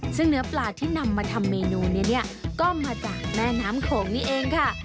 ซึ่งเนื้อปลาที่นำมาทำเมนูนี้เนี่ยก็มาจากแม่น้ำโขงนี่เองค่ะ